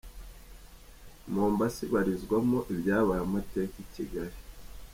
Mombasa ibarizwamo ibyabaye amateka i Kigali.